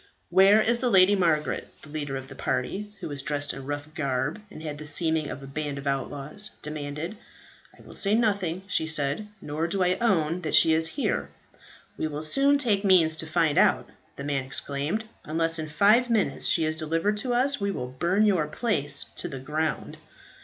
"Where is the Lady Margaret?" the leader of the party, who were dressed in rough garb, and had the seeming of a band of outlaws, demanded. "I will say nothing," she said, "nor do I own that she is here." "We will soon take means to find out," the man exclaimed. "Unless in five minutes she is delivered to us, we will burn your place to the ground."